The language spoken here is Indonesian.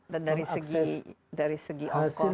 dan dari segi ongkos juga